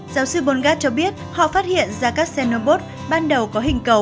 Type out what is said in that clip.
giáo sư bungat cho biết họ phát hiện ra các xenobot ban đầu có hình cầu